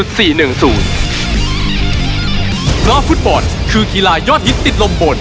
เพราะฟุตบอลคือกีฬายอดฮิตติดลมบน